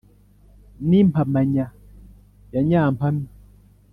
n’impamanya ya nyampame